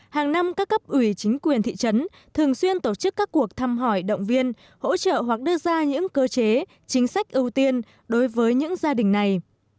hàng năm các cấp ủy chính quyền thị trấn thường xuyên tổ chức các cuộc thăm hỏi động viên hỗ trợ hoặc đưa ra những cơ chế chính sách ưu tiên đối với những gia đình này